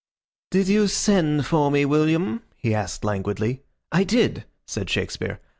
"Did you send for me, William?" he asked, languidly. "I did," said Shakespeare.